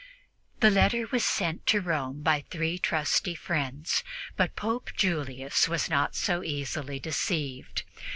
The letter was sent to Rome by three trusty friends, but Pope Julius was not so easily deceived.